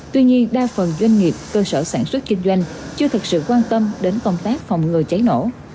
tuy nhiên đa phần doanh nghiệp cơ sở sản xuất kinh doanh chưa thực sự quan tâm đến công tác phòng ngừa cháy nổ